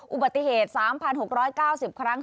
อุบัติเหตุ๓๖๙๐ครั้ง